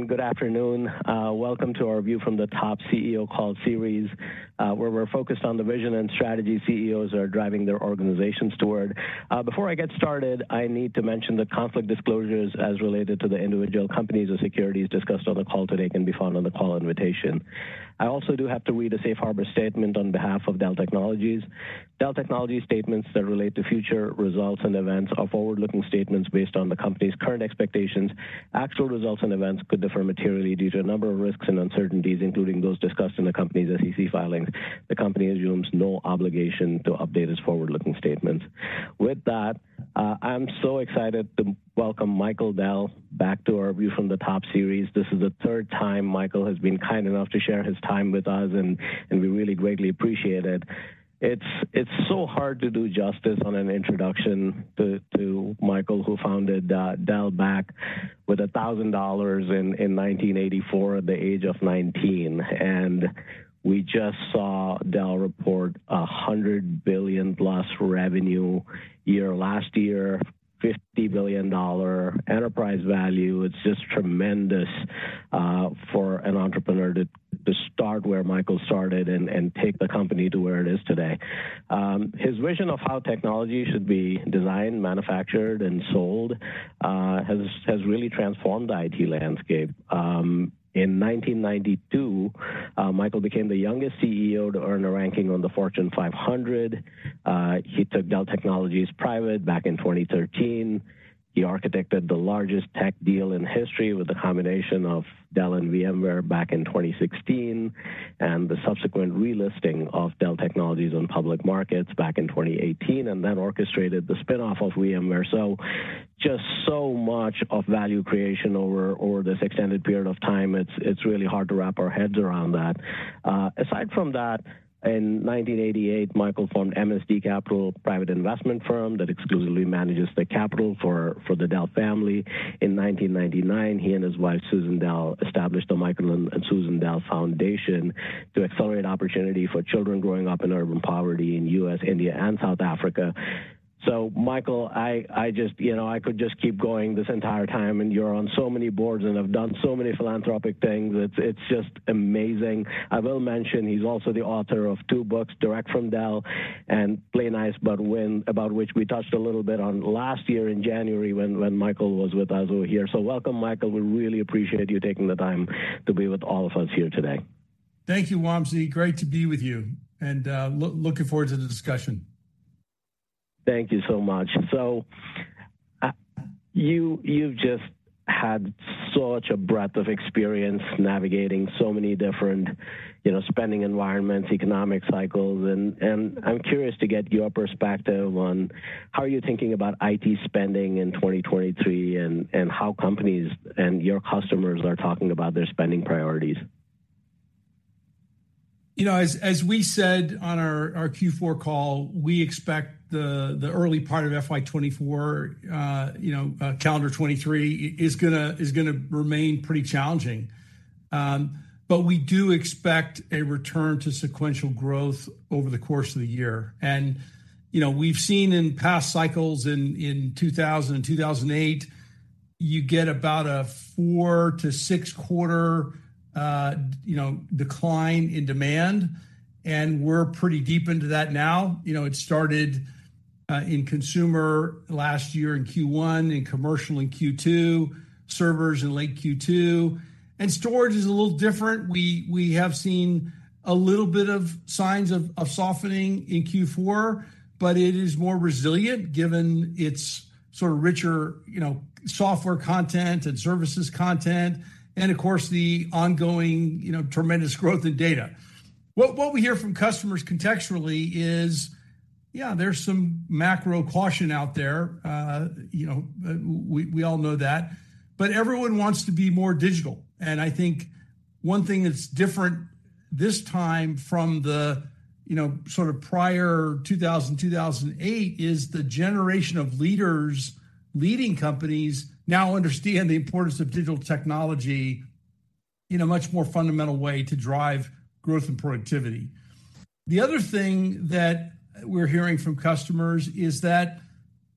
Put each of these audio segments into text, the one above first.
Hello and good afternoon. Welcome to our View from the Top CEO Call series, where we're focused on the vision and strategy CEOs are driving their organizations toward. Before I get started, I need to mention the conflict disclosures as related to the individual companies or securities discussed on the call today can be found on the call invitation. I also do have to read a safe harbor statement on behalf of Dell Technologies. Dell Technologies statements that relate to future results and events are forward-looking statements based on the company's current expectations. Actual results and events could differ materially due to a number of risks and uncertainties, including those discussed in the company's SEC filings. The company assumes no obligation to update its forward-looking statements. With that, I'm so excited to welcome Michael Dell back to our View from the Top series. This is the third time Michael has been kind enough to share his time with us, and we really greatly appreciate it. It's so hard to do justice on an introduction to Michael, who founded Dell back with $1,000 in 1984 at the age of 19, and we just saw Dell report a $100 billion-plus revenue year last year, $50 billion enterprise value. It's just tremendous for an entrepreneur to start where Michael started and take the company to where it is today. His vision of how technology should be designed, manufactured, and sold has really transformed the IT landscape. In 1992, Michael became the youngest CEO to earn a ranking on the Fortune 500. He took Dell Technologies private back in 2013. He architected the largest tech deal in history with the combination of Dell and VMware back in 2016. The subsequent relisting of Dell Technologies on public markets back in 2018. Then orchestrated the spin-off of VMware. Just so much of value creation over this extended period of time, it's really hard to wrap our heads around that. Aside from that, in 1988, Michael formed MSD Capital, a private investment firm that exclusively manages the capital for the Dell family. In 1999, he and his wife, Susan Dell, established the Michael & Susan Dell Foundation to accelerate opportunity for children growing up in urban poverty in U.S., India, and South Africa. Michael, I just, you know, I could just keep going this entire time. You're on so many boards and have done so many philanthropic things. It's, it's just amazing. I will mention he's also the author of two books, Direct from Dell and Play Nice But Win, about which we touched a little bit on last year in January when Michael was with us over here. Welcome, Michael. We really appreciate you taking the time to be with all of us here today. Thank you, Wamsi. Great to be with you and looking forward to the discussion. Thank you so much. You, you've just had such a breadth of experience navigating so many different, you know, spending environments, economic cycles, and I'm curious to get your perspective on how you're thinking about IT spending in 2023 and how companies and your customers are talking about their spending priorities. You know, as we said on our Q4 call, we expect the early part of FY 2024, you know, calendar 2023 is gonna remain pretty challenging. We do expect a return to sequential growth over the course of the year. You know, we've seen in past cycles in 2000 and 2008, you get about a four to six quarter, you know, decline in demand, and we're pretty deep into that now. You know, it started in consumer last year in Q1, in commercial in Q2, servers in late Q2, storage is a little different. We have seen a little bit of signs of softening in Q4, but it is more resilient given its sort of richer, you know, software content and services content and of course, the ongoing, you know, tremendous growth in data. What we hear from customers contextually is, yeah, there's some macro caution out there, you know, we all know that, but everyone wants to be more digital. I think one thing that's different this time from the, you know, sort of prior 2000, 2008 is the generation of leaders leading companies now understand the importance of digital technology in a much more fundamental way to drive growth and productivity. The other thing that we're hearing from customers is that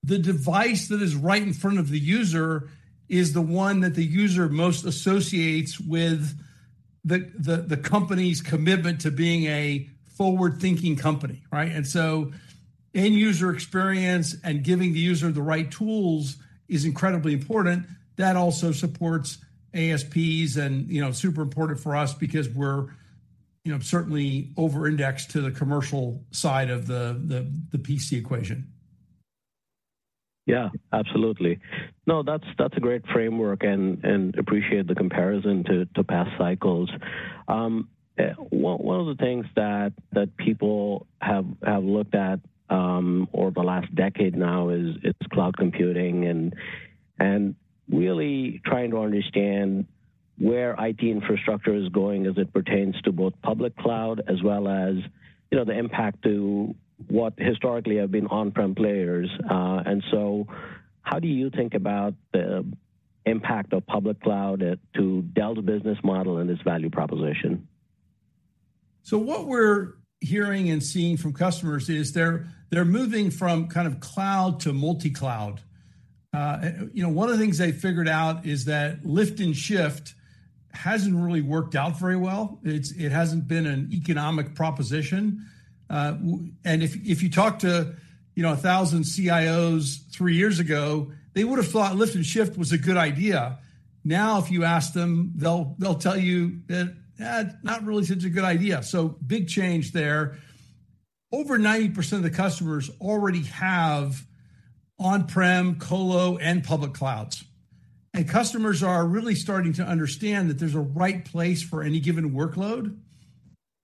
the device that is right in front of the user is the one that the user most associates with the company's commitment to being a forward-thinking company, right? End user experience and giving the user the right tools is incredibly important. That also supports ASPs and, you know, super important for us because we're, you know, certainly over-indexed to the commercial side of the PC equation. Yeah, absolutely. No, that's a great framework and appreciate the comparison to past cycles. One of the things that people have looked at over the last decade now is cloud computing and really trying to understand where IT infrastructure is going as it pertains to both public cloud as well as, you know, the impact to what historically have been on-prem players. So how do you think about the impact of public cloud to Dell's business model and its value proposition? What we're hearing and seeing from customers is they're moving from kind of cloud to multi-cloud. You know, one of the things they figured out is that lift and shift hasn't really worked out very well. It hasn't been an economic proposition. If you talk to, you know, 1,000 CIOs 3 years ago, they would have thought lift and shift was a good idea. Now, if you ask them, they'll tell you that, "Not really such a good idea." Big change there. Over 90% of the customers already have on-prem, colo, and public clouds. Customers are really starting to understand that there's a right place for any given workload.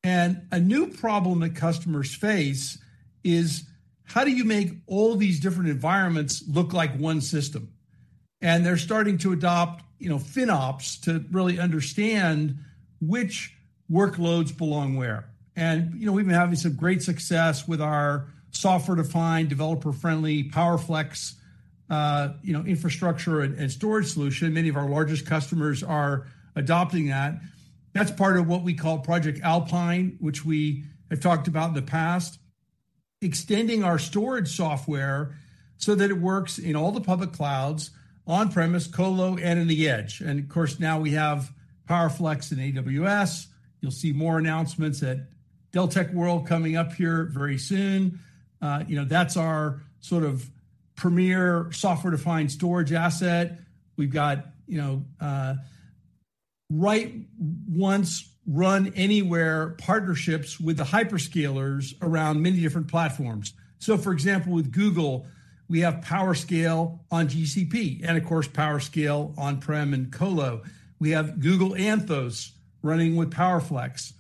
A new problem that customers face is: how do you make all these different environments look like one system? They're starting to adopt, you know, FinOps to really understand which workloads belong where. You know, we've been having some great success with our software-defined, developer-friendly PowerFlex, you know, infrastructure and storage solution. Many of our largest customers are adopting that. That's part of what we call Project Alpine, which we have talked about in the past, extending our storage software so that it works in all the public clouds, on-premise, colo, and in the edge. Of course, now we have PowerFlex in AWS. You'll see more announcements at Dell Tech World coming up here very soon. You know, that's our sort of premier software-defined storage asset. We've got, you know, write once, run anywhere partnerships with the hyperscalers around many different platforms. For example, with Google, we have PowerScale on GCP and of course, PowerScale on-prem and colo. We have Google Anthos running with PowerFlex.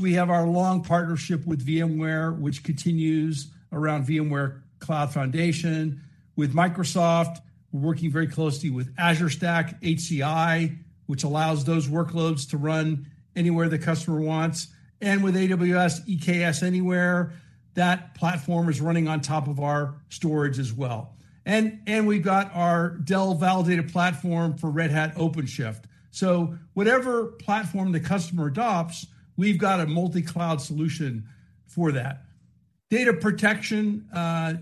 We have our long partnership with VMware, which continues around VMware Cloud Foundation. With Microsoft, we're working very closely with Azure Stack HCI, which allows those workloads to run anywhere the customer wants. With Amazon EKS Anywhere, that platform is running on top of our storage as well. We've got our Dell Validated Platform for Red Hat OpenShift. Whatever platform the customer adopts, we've got a multi-cloud solution for that. Data protection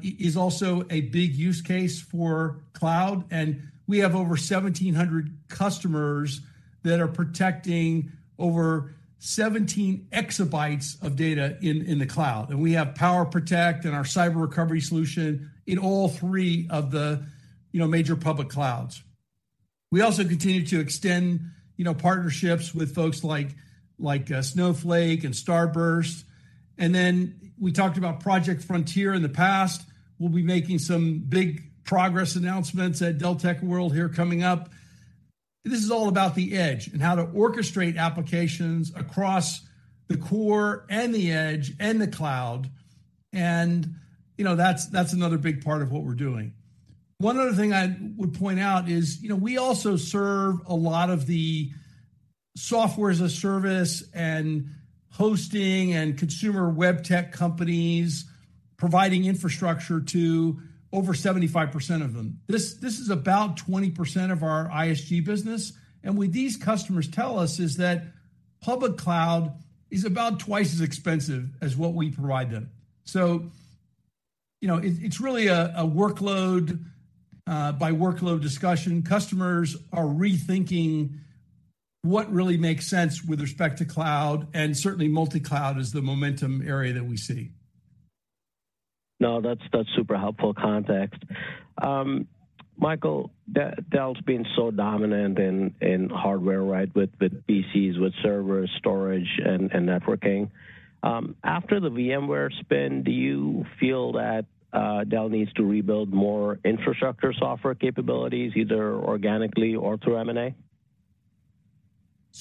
is also a big use case for cloud, and we have over 1,700 customers that are protecting over 17 exabytes of data in the cloud. We have PowerProtect and our cyber recovery solution in all three of the, you know, major public clouds. We also continue to extend, you know, partnerships with folks like Snowflake and Starburst. Then we talked about Project Frontier in the past. We'll be making some big progress announcements at Dell Tech World here coming up. This is all about the edge and how to orchestrate applications across the core and the edge and the cloud. You know, that's another big part of what we're doing. One other thing I would point out is, you know, we also serve a lot of the software-as-a-service and hosting and consumer web tech companies providing infrastructure to over 75% of them. This is about 20% of our ISG business. What these customers tell us is that public cloud is about twice as expensive as what we provide them. You know, it's really a workload by workload discussion. Customers are rethinking what really makes sense with respect to cloud. Certainly multi-cloud is the momentum area that we see. No, that's super helpful context. Michael, Dell's been so dominant in hardware, right? With, with PCs, with servers, storage, and networking. After the VMware spin, do you feel that Dell needs to rebuild more infrastructure software capabilities, either organically or through M&A? You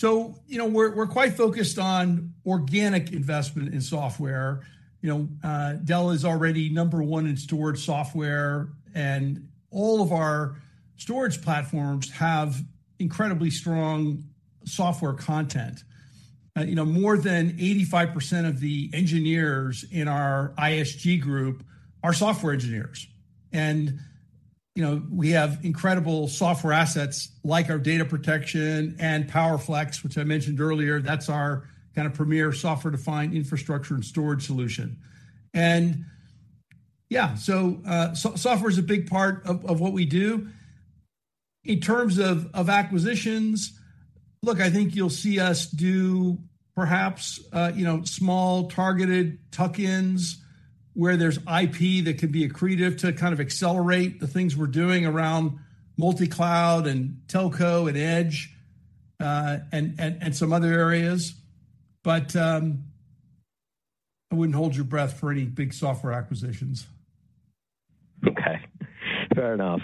know, we're quite focused on organic investment in software. You know, Dell is already number one in storage software, and all of our storage platforms have incredibly strong software content. You know, more than 85% of the engineers in our ISG group are software engineers. You know, we have incredible software assets like our data protection and PowerFlex, which I mentioned earlier. That's our kind of premier software-defined infrastructure and storage solution. Yeah, software is a big part of what we do. In terms of acquisitions, look, I think you'll see us do perhaps, you know, small targeted tuck-ins where there's IP that could be accretive to kind of accelerate the things we're doing around multi-cloud and telco and edge, and some other areas. I wouldn't hold your breath for any big software acquisitions. Okay. Fair enough.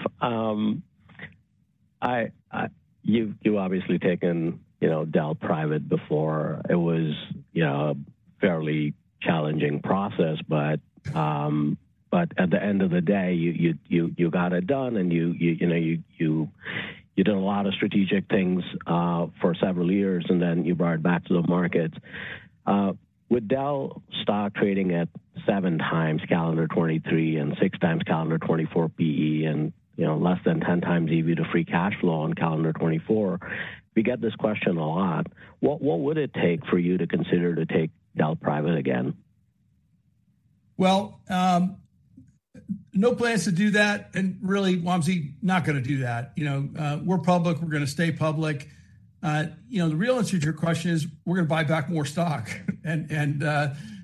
You've obviously taken, you know, Dell private before. It was, you know, a fairly challenging process, but at the end of the day, you got it done and you know, you did a lot of strategic things for several years, and then you brought it back to the market. With Dell stock trading at seven times calendar 2023 and six times calendar 2024 PE and, you know, less than 10 times EV to free cash flow on calendar 2024, we get this question a lot. What would it take for you to consider to take Dell private again? Well, no plans to do that, really, Wamsi, not gonna do that. You know, we're public. We're gonna stay public. You know, the real answer to your question is we're gonna buy back more stock and,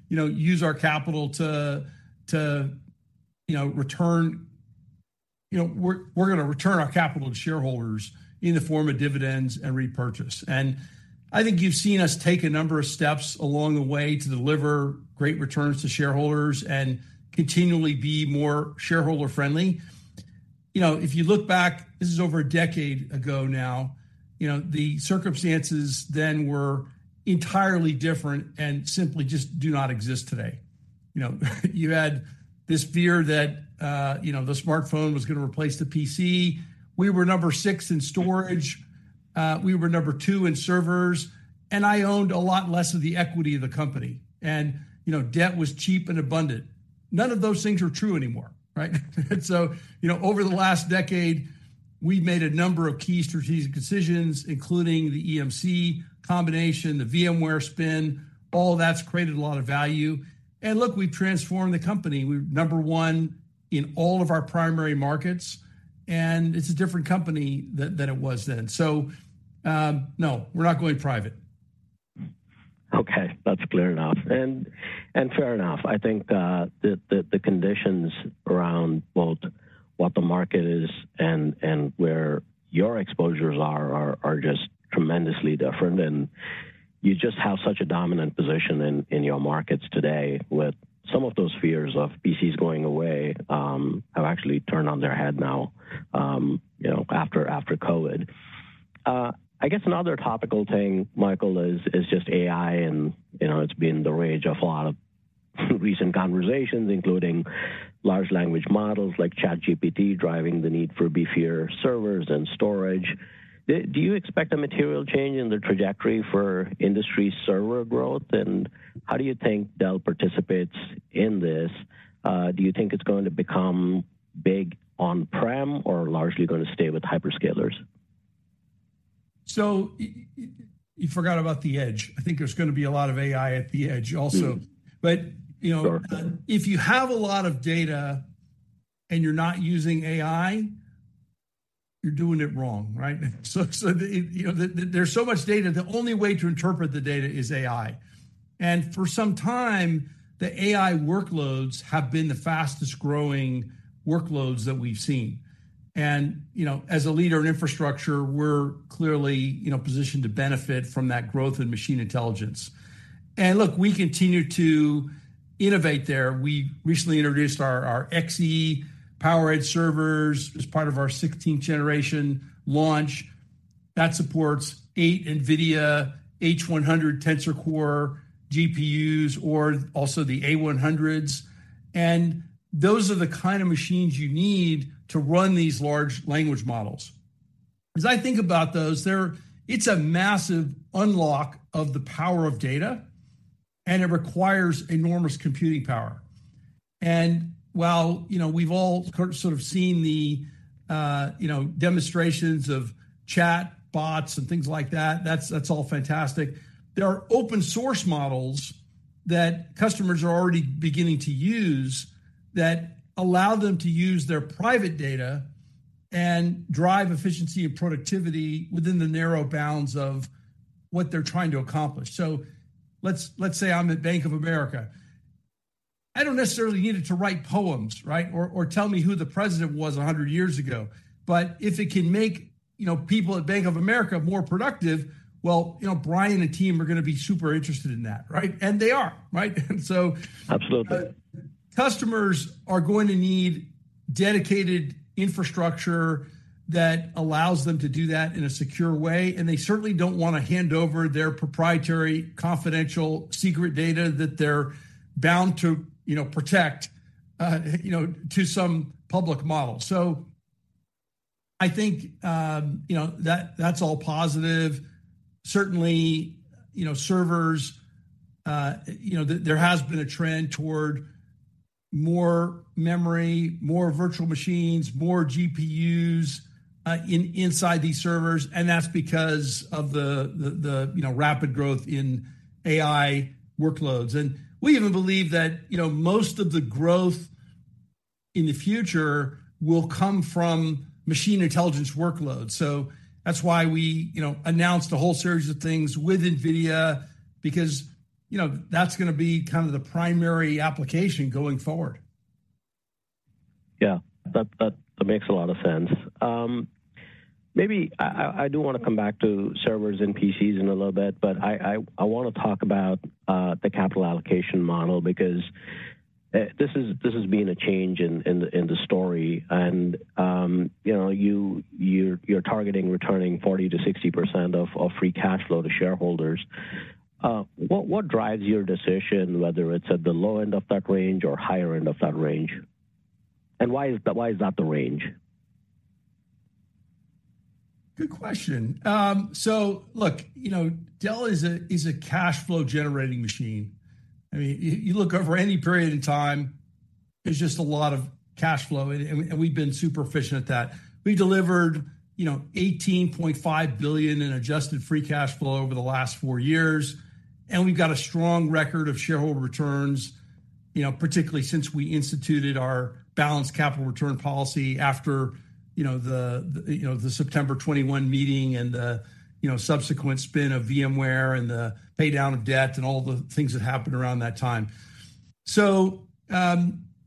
you know, use our capital to, you know, we're gonna return our capital to shareholders in the form of dividends and repurchase. I think you've seen us take a number of steps along the way to deliver great returns to shareholders and continually be more shareholder-friendly. You know, if you look back, this is over a decade ago now, you know, the circumstances then were entirely different and simply just do not exist today. You know, you had this fear that, you know, the smartphone was gonna replace the PC. We were number six in storage. We were number two in servers, I owned a lot less of the equity of the company, you know, debt was cheap and abundant. None of those things are true anymore, right? You know, over the last decade, we've made a number of key strategic decisions, including the EMC combination, the VMware spin. All that's created a lot of value. Look, we've transformed the company. We're number one in all of our primary markets, it's a different company than it was then. No, we're not going private. Okay. That's clear enough and fair enough. I think the conditions around both what the market is and where your exposures are just tremendously different, and you just have such a dominant position in your markets today with some of those fears of PCs going away, have actually turned on their head now, you know, after COVID. I guess another topical thing, Michael, is just AI and, you know, it's been the rage of a lot of recent conversations, including large language models like ChatGPT driving the need for beefier servers and storage. Do you expect a material change in the trajectory for industry server growth? How do you think Dell participates in this? Do you think it's going to become big on-prem or largely gonna stay with hyperscalers? You forgot about the edge. I think there's gonna be a lot of AI at the edge also. Mm-hmm. Sure. You know, if you have a lot of data and you're not using AI, you're doing it wrong, right? You know, there's so much data, the only way to interpret the data is AI. For some time, the AI workloads have been the fastest-growing workloads that we've seen. You know, as a leader in infrastructure, we're clearly, you know, positioned to benefit from that growth in machine intelligence. Look, we continue to innovate there. We recently introduced our XE PowerEdge servers as part of our 16th-generation launch that supports 8 NVIDIA H100 Tensor Core GPUs or also the A100s. Those are the kind of machines you need to run these large language models. As I think about those, it's a massive unlock of the power of data, and it requires enormous computing power. While, you know, we've all sort of seen the, you know, demonstrations of chatbots and things like that's all fantastic. There are open source models that customers are already beginning to use that allow them to use their private data and drive efficiency and productivity within the narrow bounds of what they're trying to accomplish. Let's say I'm at Bank of America. I don't necessarily need it to write poems, right? Or tell me who the president was 100 years ago. If it can make, you know, people at Bank of America more productive, well, you know, Brian and the team are gonna be super interested in that, right? They are, right? Absolutely. Customers are going to need dedicated infrastructure that allows them to do that in a secure way, and they certainly don't wanna hand over their proprietary, confidential, secret data that they're bound to, you know, protect, you know, to some public model. I think, you know, that's all positive. Certainly, you know, servers, you know, there has been a trend toward more memory, more virtual machines, more GPUs, inside these servers, and that's because of the, you know, rapid growth in AI workloads. We even believe that, you know, most of the growth in the future will come from machine intelligence workloads. That's why we, you know, announced a whole series of things with NVIDIA because, you know, that's gonna be kind of the primary application going forward. Yeah. That makes a lot of sense. Maybe I do wanna come back to servers and PCs in a little bit, but I wanna talk about the capital allocation model because this has been a change in the story. You know, you're targeting returning 40%-60% of free cash flow to shareholders. What drives your decision, whether it's at the low end of that range or higher end of that range? Why is that the range? Good question. Look, you know, Dell is a cash flow generating machine. I mean, you look over any period in time, there's just a lot of cash flow, and we've been super efficient at that. We delivered, you know, $18.5 billion in adjusted free cash flow over the last 4 years, and we've got a strong record of shareholder returns, you know, particularly since we instituted our balanced capital return policy after, you know, the, you know, the September 2021 meeting and the, you know, subsequent spin of VMware and the pay down of debt and all the things that happened around that time.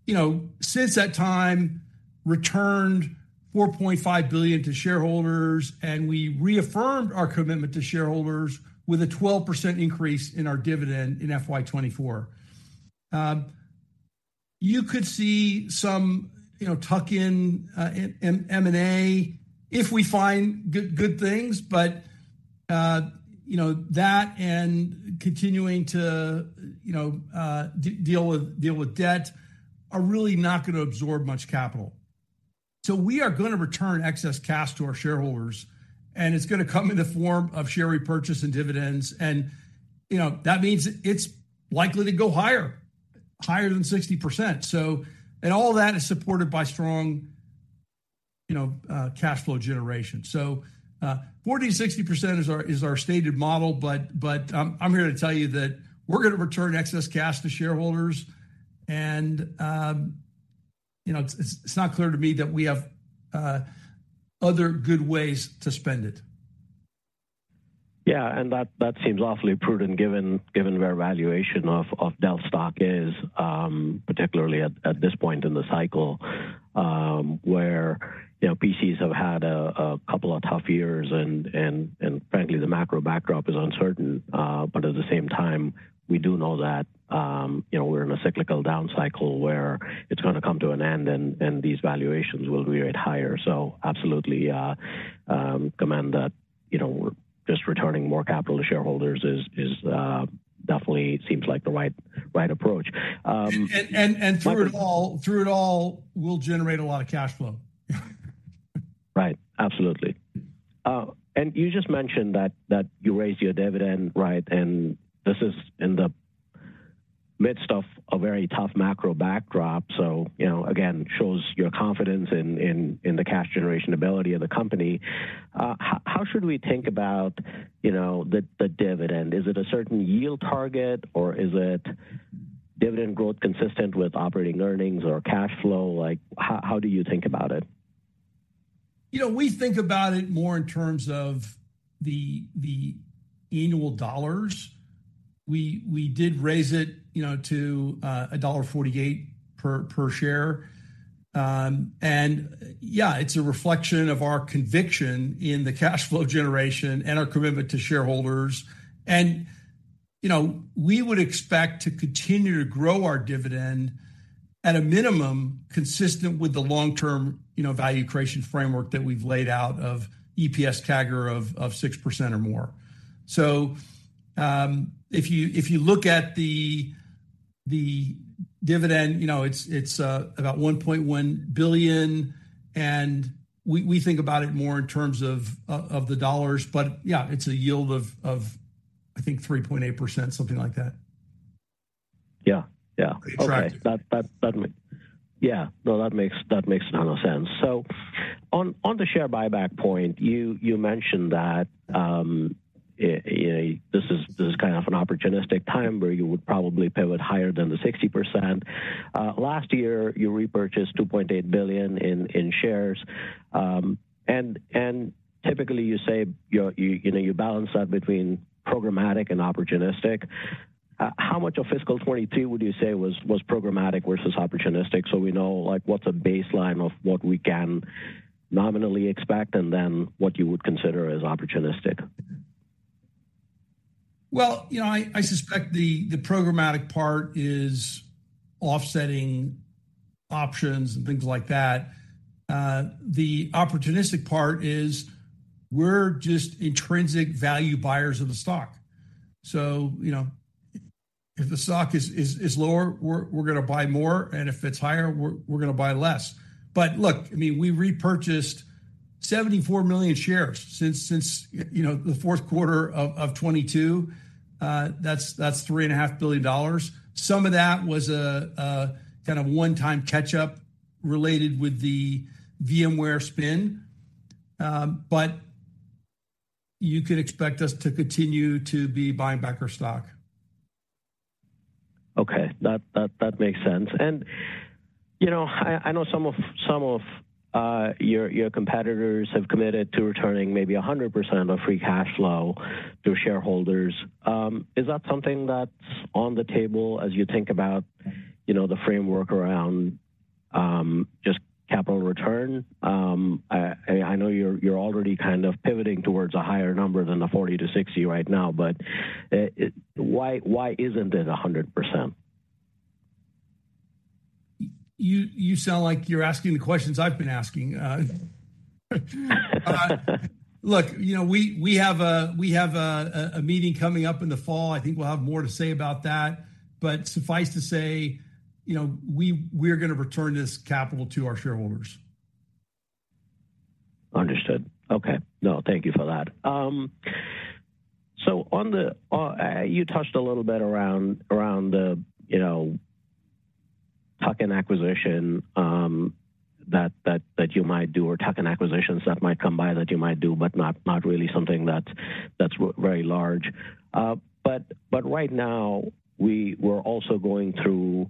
You know, since that time, returned $4.5 billion to shareholders, and we reaffirmed our commitment to shareholders with a 12% increase in our dividend in FY 2024. You could see some, you know, tuck in M&A if we find good things. You know, that and continuing to, you know, deal with debt are really not gonna absorb much capital. We are gonna return excess cash to our shareholders, and it's gonna come in the form of share repurchase and dividends. You know, that means it's likely to go higher than 60%. All that is supported by strong, you know, cash flow generation. 40% to 60% is our stated model, but I'm here to tell you that we're gonna return excess cash to shareholders. You know, it's not clear to me that we have other good ways to spend it. Yeah. That, that seems awfully prudent given where valuation of Dell stock is, particularly at this point in the cycle, where, you know, PCs have had a couple of tough years and frankly, the macro backdrop is uncertain. At the same time, we do know that, you know, we're in a cyclical down cycle where it's gonna come to an end, and these valuations will be rate higher. Absolutely, recommend that, you know, just returning more capital to shareholders is definitely seems like the right approach. Through it all, we'll generate a lot of cash flow. Right. Absolutely. You just mentioned that you raised your dividend, right? This is in the midst of a very tough macro backdrop. You know, again, shows your confidence in the cash generation ability of the company. How should we think about, you know, the dividend? Is it a certain yield target, or is it dividend growth consistent with operating earnings or cash flow? Like, how do you think about it? You know, we think about it more in terms of the annual dollars. We did raise it, you know, to a $1.48 per share. Yeah, it's a reflection of our conviction in the cash flow generation and our commitment to shareholders. You know, we would expect to continue to grow our dividend at a minimum consistent with the long-term, you know, value creation framework that we've laid out of EPS CAGR of 6% or more. If you look at the dividend, you know, it's about $1.1 billion, and we think about it more in terms of the dollars. Yeah, it's a yield of, I think 3.8%, something like that. Yeah. Yeah. Attracted. Okay. That makes a ton of sense. On, on the share buyback point, you mentioned that this is kind of an opportunistic time where you would probably pivot higher than the 60%. Last year, you repurchased $2.8 billion in shares. Typically you say you know, you balance that between programmatic and opportunistic. How much of FY 2022 would you say was programmatic versus opportunistic so we know, like, what's a baseline of what we can nominally expect and then what you would consider as opportunistic? Well, you know, I suspect the programmatic part is offsetting options and things like that. The opportunistic part is we're just intrinsic value buyers of the stock. You know, if the stock is lower, we're gonna buy more, and if it's higher, we're gonna buy less. Look, I mean, we repurchased 74 million shares since you know, the Q4 of 2022. That's $3.5 billion. Some of that was kind of one-time catch-up related with the VMware spin. You could expect us to continue to be buying back our stock. Okay. That makes sense. You know, I know some of your competitors have committed to returning maybe 100% of free cash flow to shareholders. Is that something that's on the table as you think about, you know, the framework around just capital return? I know you're already kind of pivoting towards a higher number than the 40-60 right now, but why isn't it 100%? You sound like you're asking the questions I've been asking. Look, you know, we have a meeting coming up in the fall. I think we'll have more to say about that. Suffice to say, you know, we're gonna return this capital to our shareholders. Understood. Okay. No, thank you for that. On the, you touched a little bit around the, you know, tuck-in acquisition that you might do or tuck-in acquisitions that might come by that you might do, but not really something that's very large. But right now we're also going through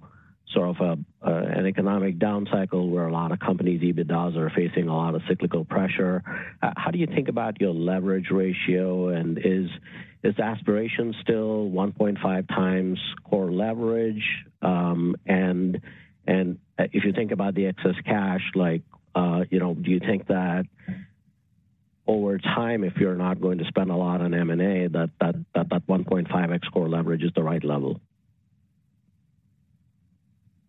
sort of an economic down cycle where a lot of companies' EBITDAs are facing a lot of cyclical pressure. How do you think about your leverage ratio, and is the aspiration still 1.5 times core leverage? And if you think about the excess cash, like, you know, do you think that over time, if you're not going to spend a lot on M&A, that 1.5x core leverage is the right level?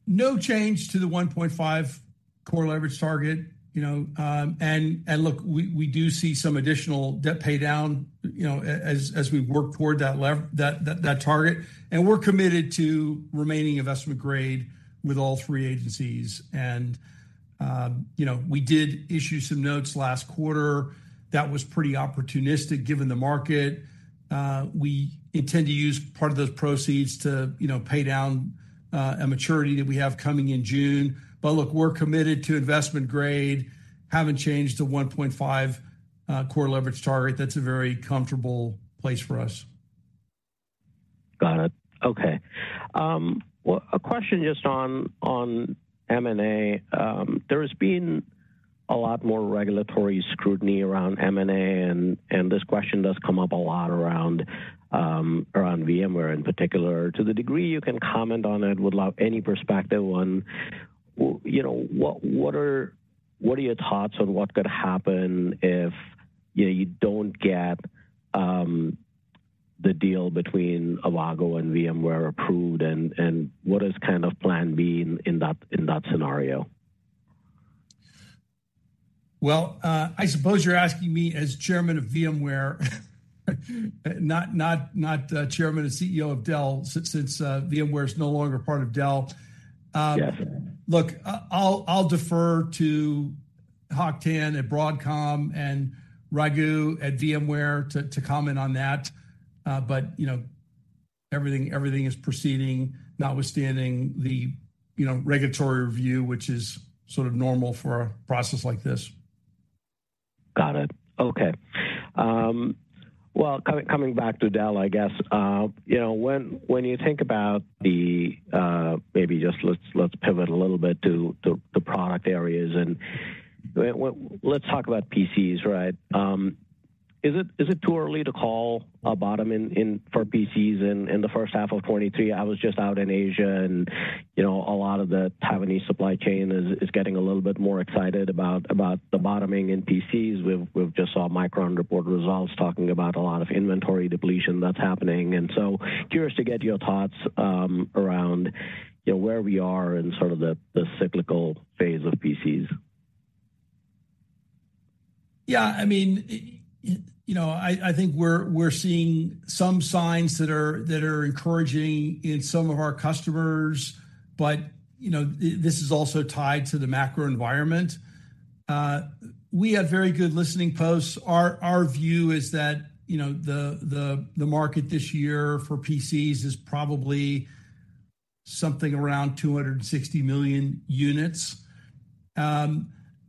No change to the 1.5 core leverage target. Look, we do see some additional debt pay down as we work toward that target. We're committed to remaining investment grade with all three agencies. We did issue some notes last quarter that was pretty opportunistic given the market. We intend to use part of those proceeds to pay down a maturity that we have coming in June. Look, we're committed to investment grade. Haven't changed the 1.5 core leverage target. That's a very comfortable place for us. Got it. Okay. Well, a question just on M&A. There has been a lot more regulatory scrutiny around M&A, and this question does come up a lot around VMware in particular. To the degree you can comment on it, would love any perspective on, you know, what are your thoughts on what could happen if, you know, you don't get the deal between Avago and VMware approved, and what is kind of plan B in that scenario? Well, I suppose you're asking me as chairman of VMware not chairman and CEO of Dell, since VMware is no longer part of Dell. Yeah. Look, I'll defer to Hock Tan at Broadcom and Raghu at VMware to comment on that. You know, everything is proceeding notwithstanding the, you know, regulatory review, which is sort of normal for a process like this. Got it. Okay. Well, coming back to Dell, I guess. You know, when you think about the, maybe just let's pivot a little bit to the product areas and let's talk about PCs, right? Is it too early to call a bottom for PCs in the first half of 2023? I was just out in Asia and, you know, a lot of the Taiwanese supply chain is getting a little bit more excited about the bottoming in PCs. We've just saw Micron report results talking about a lot of inventory depletion that's happening. So curious to get your thoughts around, you know, where we are in sort of the cyclical phase of PCs. I mean, you know, I think we're seeing some signs that are encouraging in some of our customers, but, you know, this is also tied to the macro environment. We have very good listening posts. Our view is that, you know, the market this year for PCs is probably something around 260 million units.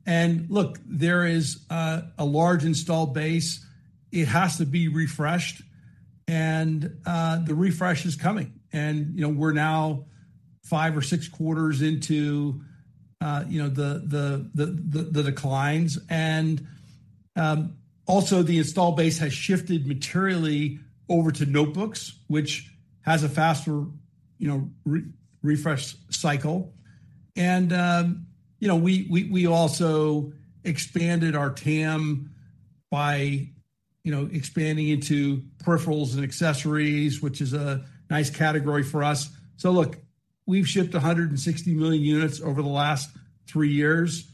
Look, there is a large installed base. It has to be refreshed, and the refresh is coming. You know, we're now five or six quarters into, you know, the declines. Also, the installed base has shifted materially over to notebooks, which has a faster, you know, refresh cycle. you know, we, we also expanded our TAM by, you know, expanding into peripherals and accessories, which is a nice category for us. Look, we've shipped 160 million units over the last three years.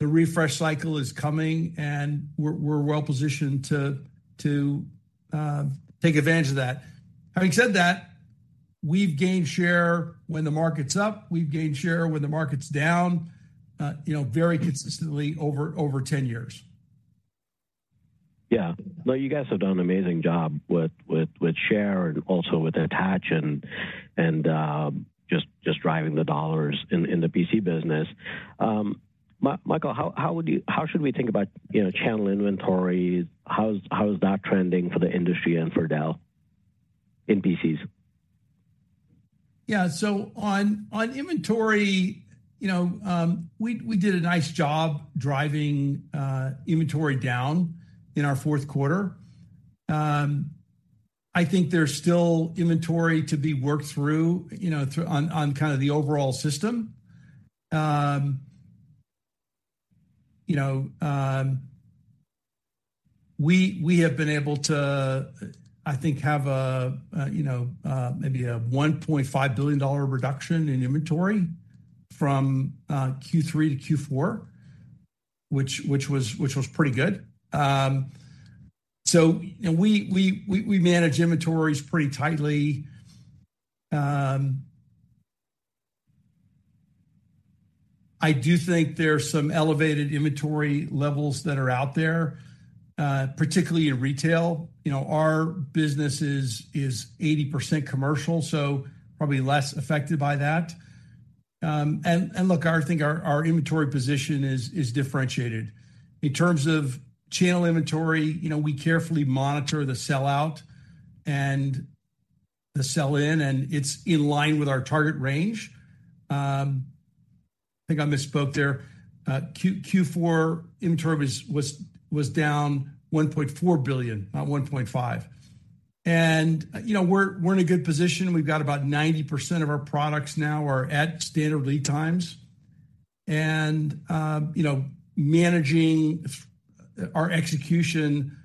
The refresh cycle is coming, and we're well positioned to take advantage of that. Having said that, we've gained share when the market's up, we've gained share when the market's down, you know, very consistently over 10 years. Yeah. No, you guys have done an amazing job with share and also with attach and, just driving the dollars in the PC business. Michael, how should we think about, you know, channel inventories? How's that trending for the industry and for Dell in PCs? On inventory, you know, we did a nice job driving inventory down in our Q4. I think there's still inventory to be worked through, you know, on kind of the overall system. You know, we have been able to, I think, have a, you know, maybe a $1.5 billion reduction in inventory from Q3 to Q4, which was pretty good. And we manage inventories pretty tightly. I do think there's some elevated inventory levels that are out there, particularly in retail. You know, our business is 80% commercial, so probably less affected by that. And look, I think our inventory position is differentiated. In terms of channel inventory, you know, we carefully monitor the sell out and the sell in, and it's in line with our target range. I think I misspoke there. Q4 inventory was down $1.4 billion, not $1.5 billion. We're in a good position. We've got about 90% of our products now are at standard lead times. You know, managing our execution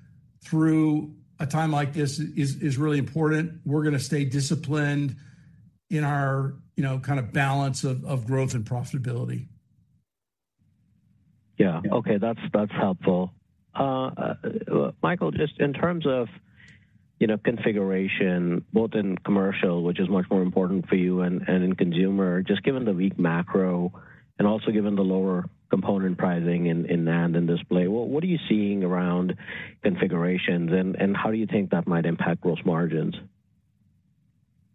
through a time like this is really important. We're gonna stay disciplined in our, you know, kind of balance of growth and profitability. Okay. That's helpful. Michael, just in terms of, you know, configuration, both in commercial, which is much more important for you and in consumer, just given the weak macro and also given the lower component pricing in NAND and display, what are you seeing around configurations? How do you think that might impact gross margins?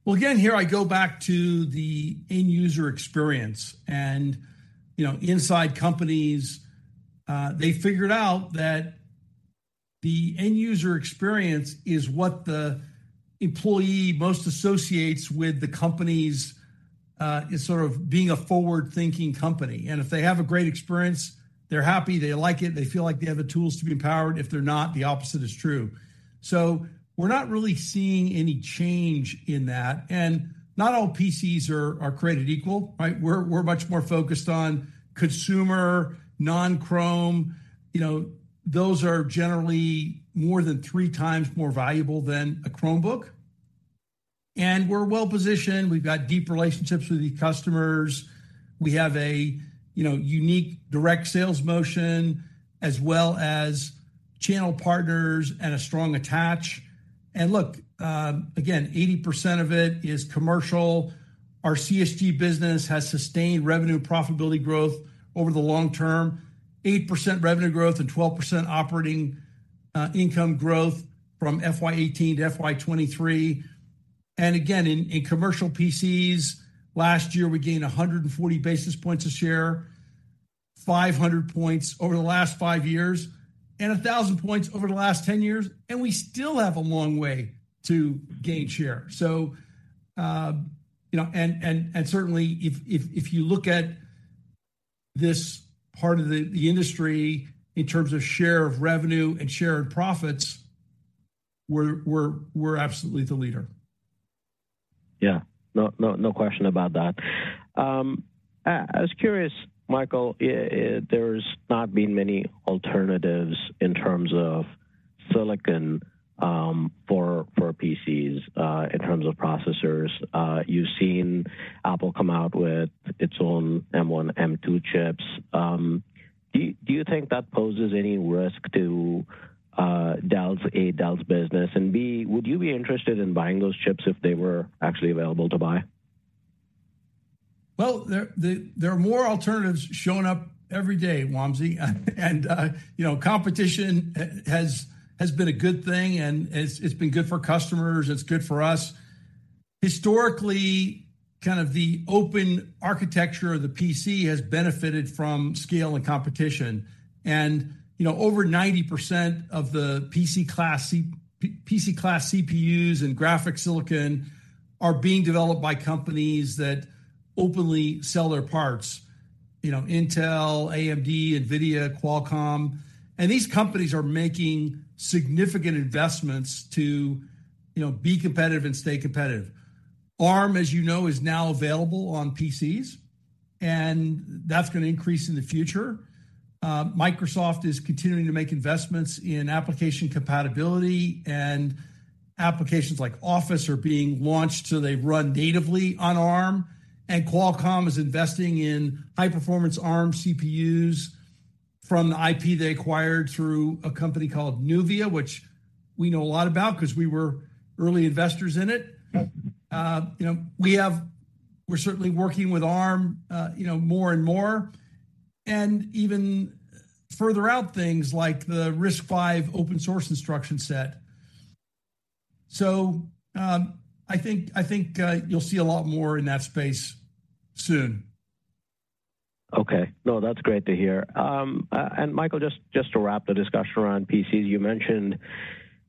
Well, again, here I go back to the end user experience. You know, inside companies, they figured out that the end user experience is what the employee most associates with the company's, it's sort of being a forward-thinking company. If they have a great experience, they're happy, they like it, they feel like they have the tools to be empowered. If they're not, the opposite is true. We're not really seeing any change in that. Not all PCs are created equal, right? We're much more focused on consumer, non-Chrome. You know, those are generally more than three times more valuable than a Chromebook. We're well-positioned. We've got deep relationships with the customers. We have a, you know, unique direct sales motion as well as channel partners and a strong attach. Look, again, 80% of it is commercial. Our CSG business has sustained revenue profitability growth over the long term. 8% revenue growth and 12% operating income growth from FY 2018 to FY 2023. In commercial PCs, last year we gained 140 basis points of share, 500 points over the last five years, and 1,000 points over the last 10 years, and we still have a long way to gain share. You know, certainly if you look at this part of the industry in terms of share of revenue and share of profits, we're absolutely the leader. Yeah. No, no question about that. I was curious, Michael, there's not been many alternatives in terms of silicon for PCs in terms of processors. You've seen Apple come out with its own M1, M2 chips. Do you think that poses any risk to A, Dell's business? B, would you be interested in buying those chips if they were actually available to buy? There are more alternatives showing up every day, Wamsi. You know, competition has been a good thing, and it's been good for customers, it's good for us. Historically, kind of the open architecture of the PC has benefited from scale and competition. You know, over 90% of the PC class CPUs and graphic silicon are being developed by companies that openly sell their parts. You know, Intel, AMD, NVIDIA, Qualcomm. These companies are making significant investments to, you know, be competitive and stay competitive. Arm, as you know, is now available on PCs, and that's gonna increase in the future. Microsoft is continuing to make investments in application compatibility, and applications like Office are being launched, so they run natively on Arm. Qualcomm is investing in high-performance Arm CPUs from the IP they acquired through a company called Nuvia, which we know a lot about 'cause we were early investors in it. Yeah. You know, we're certainly working with Arm, you know, more and more. Even further out things like the RISC-V open source instruction set. I think, you'll see a lot more in that space soon. Okay. No, that's great to hear. Michael, just to wrap the discussion around PCs, you mentioned,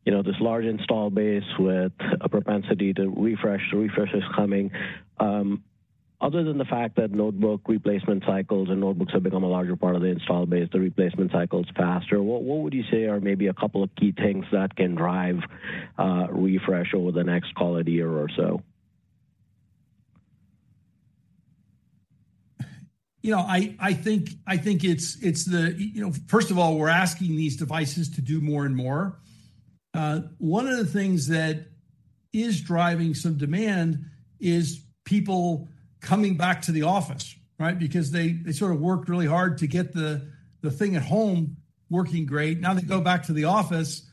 you know, this large install base with a propensity to refresh. The refresh is coming. Other than the fact that notebook replacement cycles and notebooks have become a larger part of the install base, the replacement cycle is faster, what would you say are maybe a couple of key things that can drive refresh over the next call it a year or so? You know, I think it's the. You know, first of all, we're asking these devices to do more and more. One of the things that is driving some demand is people coming back to the office, right? Because they sort of worked really hard to get the thing at home working great. Now they go back to the office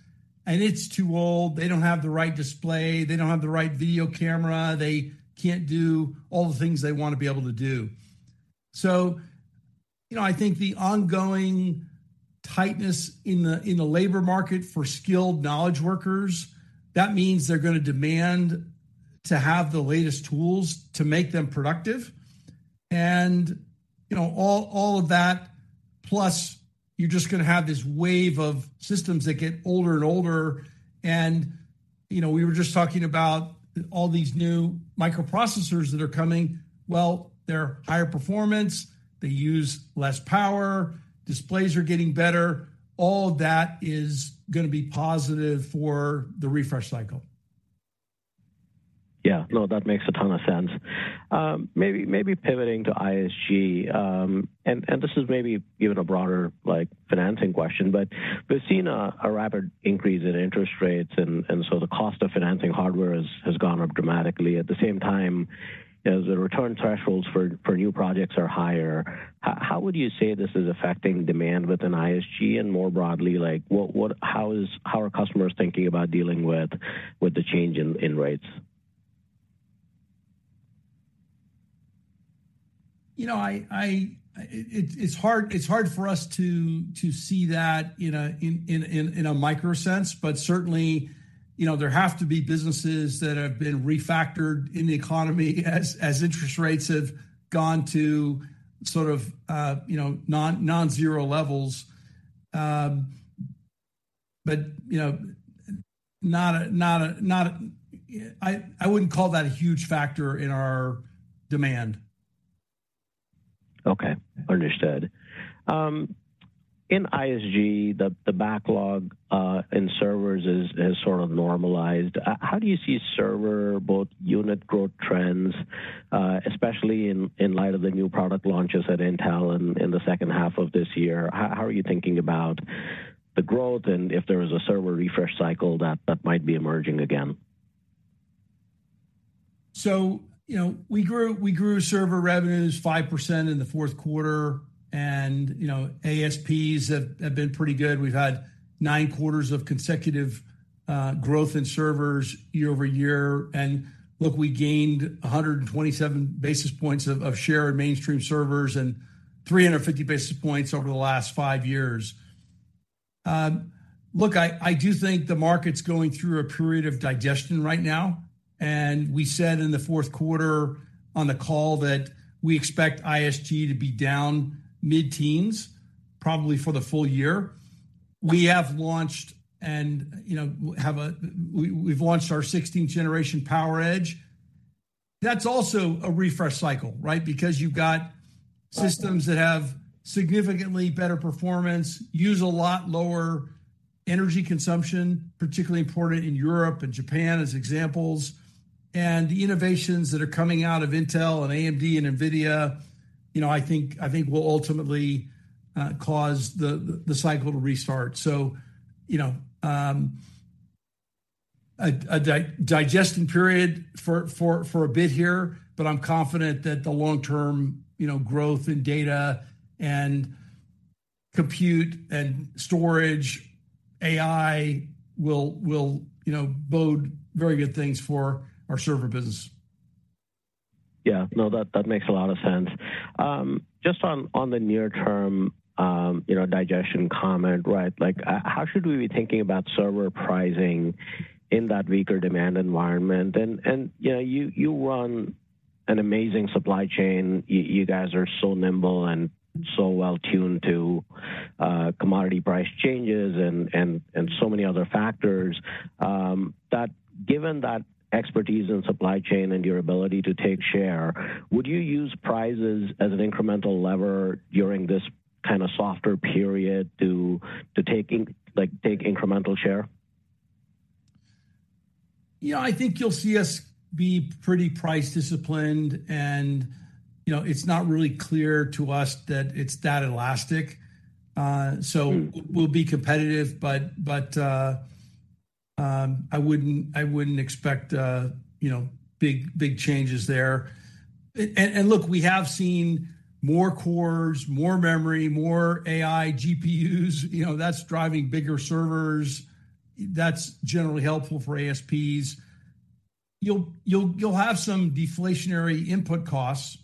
and it's too old. They don't have the right display. They don't have the right video camera. They can't do all the things they want to be able to do. You know, I think the ongoing tightness in the labor market for skilled knowledge workers, that means they're gonna demand to have the latest tools to make them productive. You know, all of that plus you're just gonna have this wave of systems that get older and older and, you know, we were just talking about all these new microprocessors that are coming. Well, they're higher performance, they use less power, displays are getting better. All of that is gonna be positive for the refresh cycle. Yeah. No, that makes a ton of sense. Maybe pivoting to ISG, and this is maybe even a broader like financing question, but we've seen a rapid increase in interest rates, and so the cost of financing hardware has gone up dramatically. At the same time as the return thresholds for new projects are higher, how would you say this is affecting demand within ISG and more broadly? Like what how are customers thinking about dealing with the change in rates? You know, it's hard for us to see that in a micro sense. Certainly, you know, there have to be businesses that have been refactored in the economy as interest rates have gone to sort of, you know, non-nonzero levels. You know, I wouldn't call that a huge factor in our demand. Okay. Understood. In ISG, the backlog in servers is sort of normalized. How do you see server both unit growth trends, especially in light of the new product launches at Intel in the second half of this year? How are you thinking about the growth and if there is a server refresh cycle that might be emerging again? You know, we grew server revenues 5% in the Q4. You know, ASPs have been pretty good. We've had nine quarters of consecutive growth in servers year-over-year. Look, we gained 127 basis points of share in mainstream servers and 350 basis points over the last five years. Look, I do think the market's going through a period of digestion right now, and we said in the Q4 on the call that we expect ISG to be down mid-teens probably for the full year. We've launched our 16th generation PowerEdge. That's also a refresh cycle, right? Because you've got systems that have significantly better performance, use a lot lower energy consumption, particularly important in Europe and Japan as examples. The innovations that are coming out of Intel and AMD and NVIDIA, you know, I think will ultimately cause the cycle to restart. You know, a digesting period for a bit here, but I'm confident that the long-term, you know, growth in data and compute and storage, AI will, you know, bode very good things for our server business. Yeah. No, that makes a lot of sense. Just on the near term, you know, digestion comment, right? Like how should we be thinking about server pricing in that weaker demand environment? You know, you run an amazing supply chain. You guys are so nimble and so well-tuned to commodity price changes and so many other factors. That given that expertise in supply chain and your ability to take share, would you use prices as an incremental lever during this kind of softer period to take incremental share? Yeah, I think you'll see us be pretty price disciplined and, you know, it's not really clear to us that it's that elastic. We'll be competitive, but, I wouldn't expect, you know, big changes there. Look, we have seen more cores, more memory, more AI GPUs, you know, that's driving bigger servers. That's generally helpful for ASPs. You'll have some deflationary input costs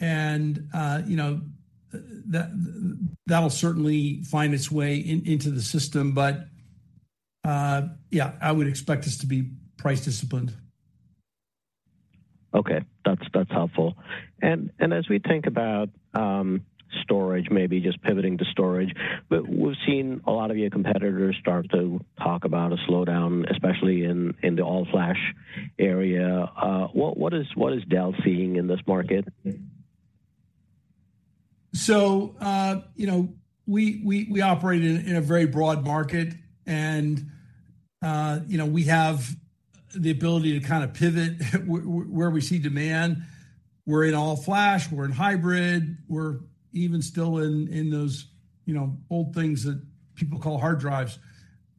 and, you know, that'll certainly find its way into the system. Yeah, I would expect us to be price disciplined. Okay. That's, that's helpful. As we think about storage, maybe just pivoting to storage. We've seen a lot of your competitors start to talk about a slowdown, especially in the all-flash area. What is Dell seeing in this market? You know, we operate in a very broad market and, you know, we have the ability to kind of pivot where we see demand. We're in all-flash, we're in hybrid, we're even still in those, you know, old things that people call hard drives.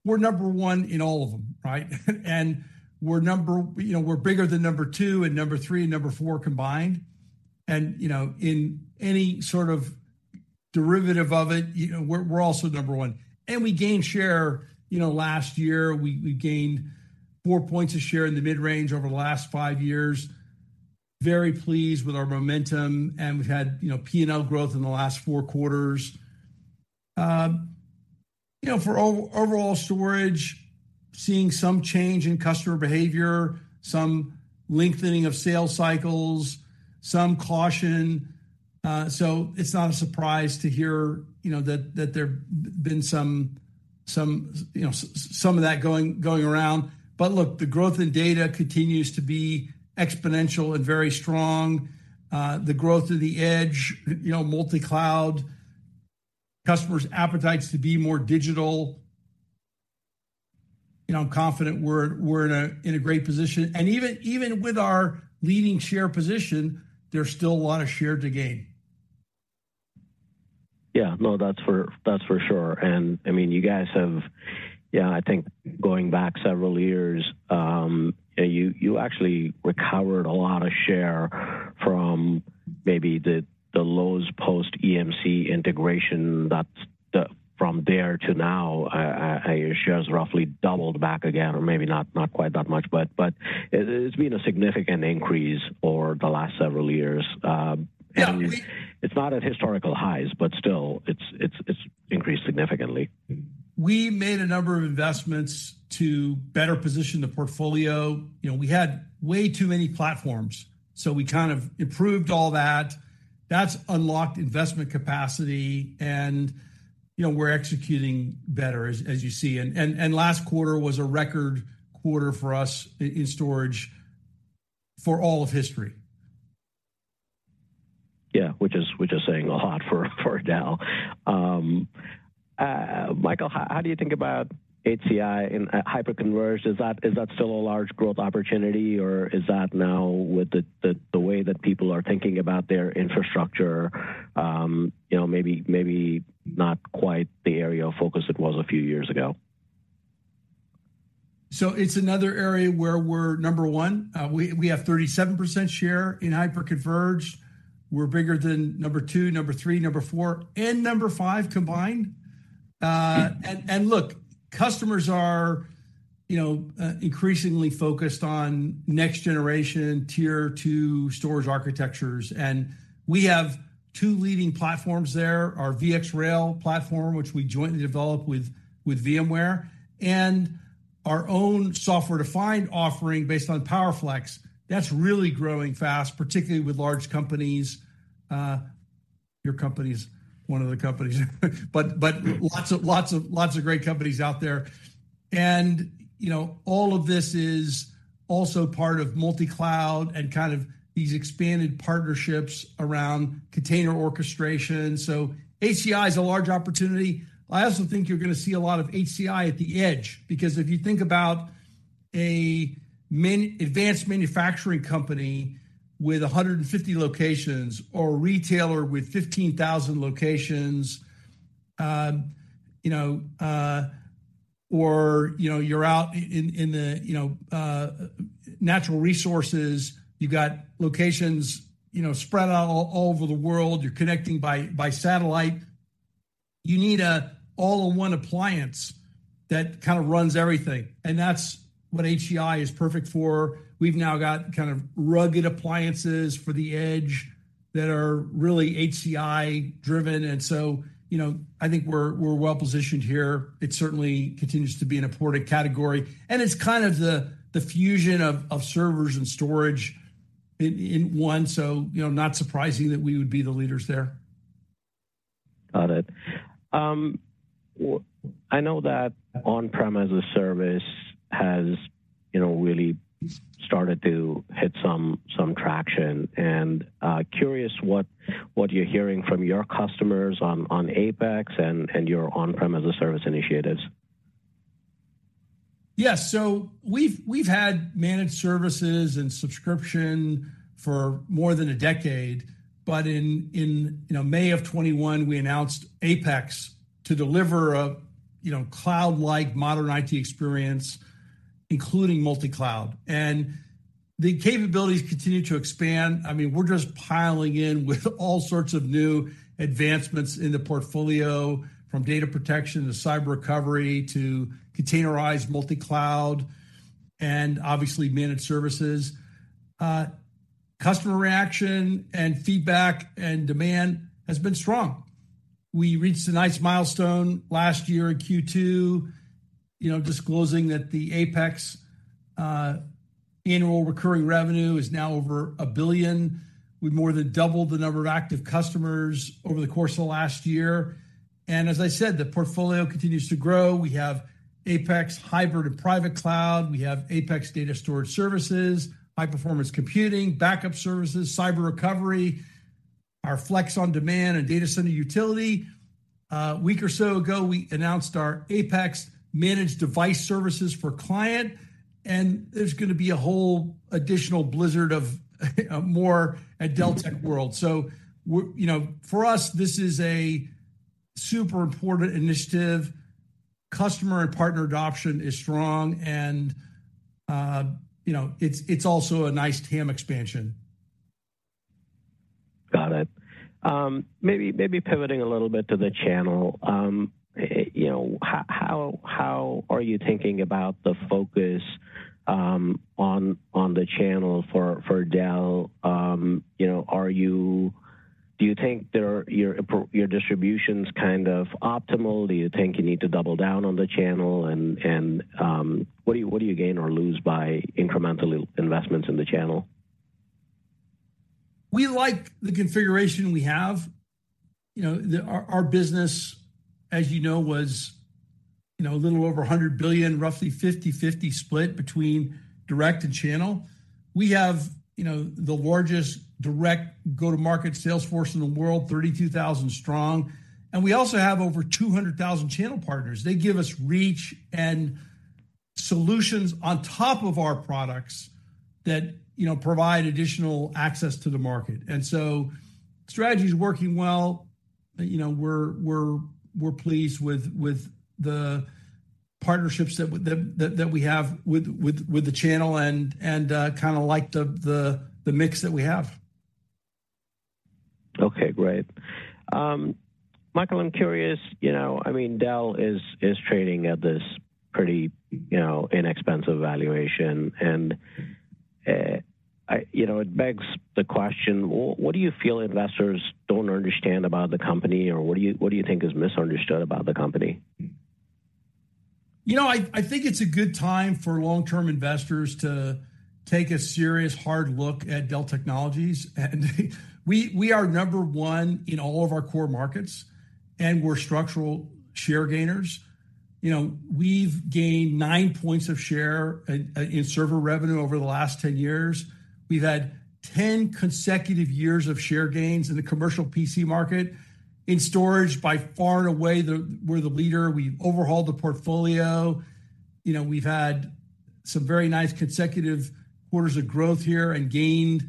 We're number one in all of them, right? You know, we're bigger than number two and number three and number four combined. You know, in any sort of derivative of it, you know, we're also number one. We gained share, you know, last year. We gained four points of share in the mid-range over the last five years. Very pleased with our momentum, and we've had, you know, P&L growth in the last four quarters. you know, for overall storage, seeing some change in customer behavior, some lengthening of sales cycles, some caution. It's not a surprise to hear, you know, that there have been some, you know, some of that going around. Look, the growth in data continues to be exponential and very strong. The growth of the edge, you know, multi-cloud, customers' appetites to be more digital. You know, I'm confident we're in a great position. Even with our leading share position, there's still a lot of share to gain. No, that's for sure. I mean, you guys have. I think going back several years, you actually recovered a lot of share from maybe the lows post-EMC integration. From there to now, your share has roughly doubled back again, or maybe not quite that much, but it's been a significant increase over the last several years. It's not at historical highs, but still, it's increased significantly. We made a number of investments to better position the portfolio. You know, we had way too many platforms, so we kind of improved all that. That's unlocked investment capacity and, you know, we're executing better as you see. Last quarter was a record quarter for us in storage for all of history. Yeah. Which is saying a lot for Dell. Michael, how do you think about HCI and hyperconverged? Is that still a large growth opportunity, or is that now with the way that people are thinking about their infrastructure, you know, maybe not quite the area of focus it was a few years ago? It's another area where we're number one. We have 37% share in hyperconverged. We're bigger than number two, number three, number four, and number five combined. And look, customers are, you know, increasingly focused on next generation Tier two storage architectures, and we have two leading platforms there, our VxRail platform, which we jointly develop with VMware, and our own software-defined offering based on PowerFlex. That's really growing fast, particularly with large companies. Your company is one of the companies. But lots of great companies out there. You know, all of this is also part of multi-cloud and kind of these expanded partnerships around container orchestration. HCI is a large opportunity. I also think you're gonna see a lot of HCI at the edge, because if you think about an advanced manufacturing company with 150 locations or a retailer with 15,000 locations, you know, or, you know, you're out in the, you know, natural resources, you've got locations, you know, spread out all over the world, you're connecting by satellite. You need an all-in-one appliance that kind of runs everything, and that's what HCI is perfect for. We've now got kind of rugged appliances for the edge that are really HCI-driven. You know, I think we're well-positioned here. It certainly continues to be an important category, and it's kind of the fusion of servers and storage in one. You know, not surprising that we would be the leaders there. Got it. I know that on-premise service has, you know, really started to hit some traction. Curious what you're hearing from your customers on APEX and your on-premise service initiatives. We've had managed services and subscription for more than a decade. In, you know, May of 2021, we announced APEX to deliver a, you know, cloud-like modern IT experience, including multi-cloud. The capabilities continue to expand. I mean, we're just piling in with all sorts of new advancements in the portfolio, from data protection to cyber recovery to containerized multi-cloud and obviously managed services. Customer reaction and feedback and demand has been strong. We reached a nice milestone last year in Q2, you know, disclosing that the APEX annual recurring revenue is now over $1 billion. We've more than doubled the number of active customers over the course of the last year. As I said, the portfolio continues to grow. We have APEX Hybrid and Private Cloud. We have APEX Data Storage Services, high-performance computing, backup services, cyber recovery. Our Flex on Demand and data center utility. A week or so ago, we announced our APEX Managed Device Services for client, there's going to be a whole additional blizzard of more at Dell Tech World. You know, for us, this is a super important initiative. Customer and partner adoption is strong, you know, it's also a nice TAM expansion. Got it. Maybe pivoting a little bit to the channel. You know, how are you thinking about the focus on the channel for Dell? You know, do you think your distribution's kind of optimal? Do you think you need to double down on the channel? What do you gain or lose by incremental investments in the channel? We like the configuration we have. You know, our business, as you know, was, you know, a little over $100 billion, roughly 50/50 split between direct and channel. We have, you know, the largest direct go-to-market sales force in the world, 32,000 strong, and we also have over 200,000 channel partners. They give us reach and solutions on top of our products that, you know, provide additional access to the market. Strategy's working well. You know, we're pleased with the partnerships that we have with the channel and kind of like the mix that we have. Okay, great. Michael, I'm curious, you know, I mean, Dell is trading at this pretty, you know, inexpensive valuation, and, you know, it begs the question, what do you feel investors don't understand about the company? Or what do you, what do you think is misunderstood about the company? You know, I think it's a good time for long-term investors to take a serious hard look at Dell Technologies. We are number one in all of our core markets, and we're structural share gainers. You know, we've gained nine points of share in server revenue over the last 10 years. We've had 10 consecutive years of share gains in the commercial PC market. In storage, by far and away, we're the leader. We've overhauled the portfolio. You know, we've had some very nice consecutive quarters of growth here and gained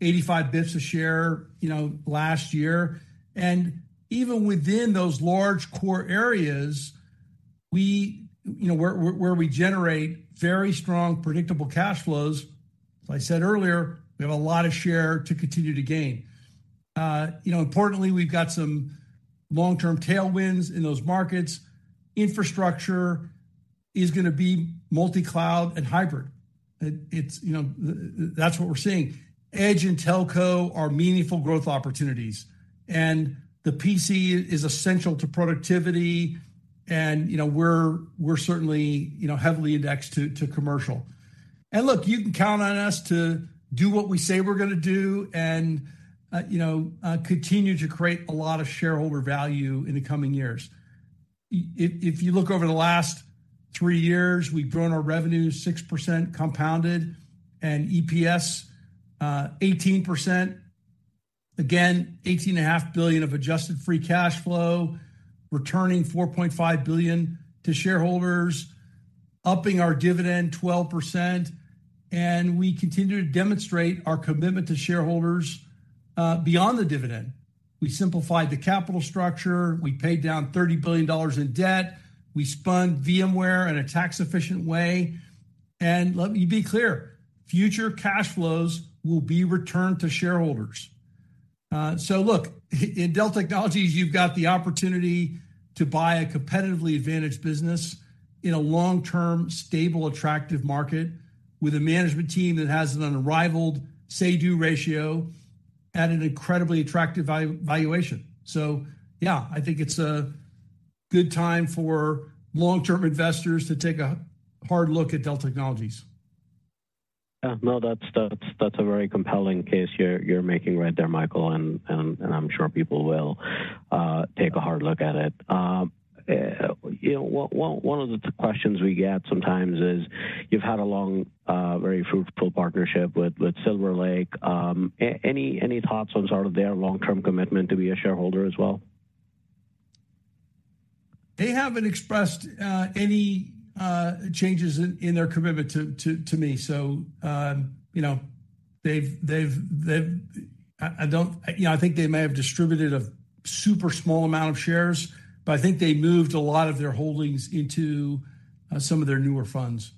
85 basis points of share, you know, last year. Even within those large core areas, you know, where we generate very strong, predictable cash flows, as I said earlier, we have a lot of share to continue to gain. You know, importantly, we've got some long-term tailwinds in those markets. Infrastructure is gonna be multi-cloud and hybrid. It's, you know, that's what we're seeing. Edge and telco are meaningful growth opportunities. The PC is essential to productivity, and, you know, we're certainly, you know, heavily indexed to commercial. Look, you can count on us to do what we say we're gonna do and, you know, continue to create a lot of shareholder value in the coming years. If you look over the last three years, we've grown our revenue 6% compounded and EPS, 18%. Again, $18.5 billion of adjusted free cash flow, returning $4.5 billion to shareholders, upping our dividend 12%, and we continue to demonstrate our commitment to shareholders beyond the dividend. We simplified the capital structure. We paid down $30 billion in debt. We spun VMware in a tax-efficient way. Let me be clear, future cash flows will be returned to shareholders. look, in Dell Technologies, you've got the opportunity to buy a competitively advantaged business in a long-term, stable, attractive market with a management team that has an unrivaled say-do ratio at an incredibly attractive valuation. yeah, I think it's a good time for long-term investors to take a hard look at Dell Technologies. Yeah, no, that's a very compelling case you're making right there, Michael, and I'm sure people will take a hard look at it. You know, one of the questions we get sometimes is, you've had a long, very fruitful partnership with Silver Lake. Any thoughts on sort of their long-term commitment to be a shareholder as well? They haven't expressed any changes in their commitment to me. You know, I think they may have distributed a super small amount of shares, but I think they moved a lot of their holdings into some of their newer funds.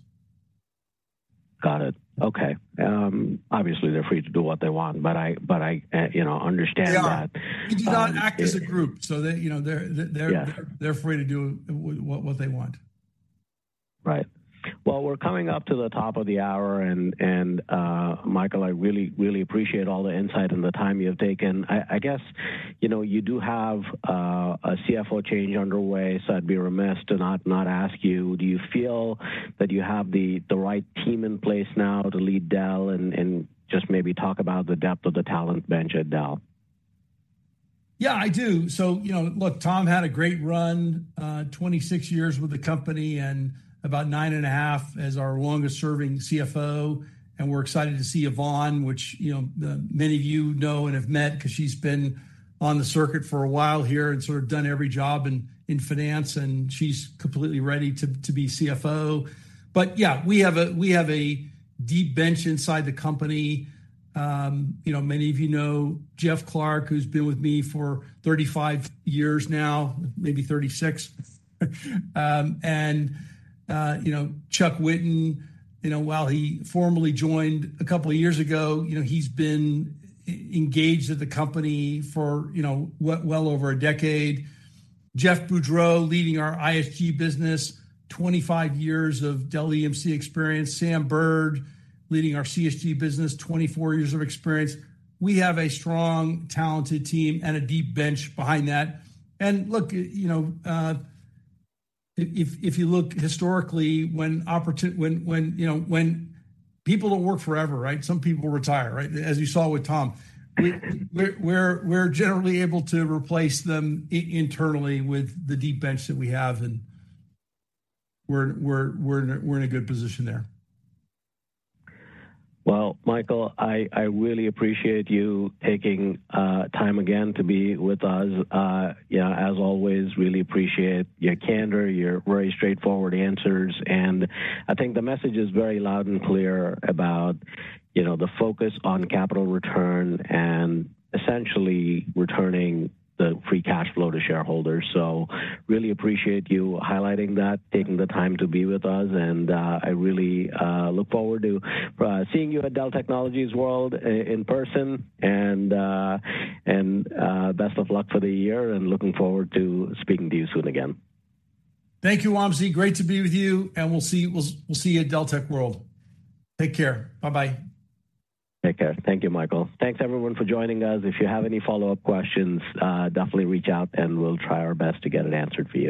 Got it. Okay. Obviously, they're free to do what they want, but I, you know, understand that. Yeah. We do not act as a group, so they, you know... Yeah. -they're free to do what they want. Right. Well, we're coming up to the top of the hour, and, Michael, I really, really appreciate all the insight and the time you have taken. I guess, you know, you do have a CFO change underway, so I'd be remiss to not ask you, do you feel that you have the right team in place now to lead Dell? Just maybe talk about the depth of the talent bench at Dell. Yeah, I do. You know, look, Tom had a great run, 26 years with the company and about 9.5 as our longest serving CFO, and we're excited to see Yvonne, which, you know, many of you know and have met 'cause she's been on the circuit for a while here and sort of done every job in finance, and she's completely ready to be CFO. Yeah, we have a deep bench inside the company. You know, many of you know Jeff Clarke, who's been with me for 35 years now, maybe 36. You know, Chuck Whitten, you know, while he formally joined two years ago, you know, he's been engaged at the company for, you know, well over a decade. Jeff Boudreau leading our ISG business, 25 years of Dell EMC experience. Sam Burd leading our CSG business, 24 years of experience. We have a strong, talented team and a deep bench behind that. Look, you know, if you look historically when, you know, when people don't work forever, right? Some people retire, right? As you saw with Tom, we're generally able to replace them internally with the deep bench that we have, and we're in a good position there. Well, Michael, I really appreciate you taking time again to be with us. Yeah, as always, really appreciate your candor, your very straightforward answers, and I think the message is very loud and clear about, you know, the focus on capital return and essentially returning the free cash flow to shareholders. Really appreciate you highlighting that, taking the time to be with us, and I really look forward to seeing you at Dell Technologies World in person and best of luck for the year and looking forward to speaking to you soon again. Thank you, Wamsi. Great to be with you, and we'll see, we'll see you at Dell Tech World. Take care. Bye-bye. Take care. Thank you, Michael. Thanks everyone for joining us. If you have any follow-up questions, definitely reach out, and we'll try our best to get it answered for you.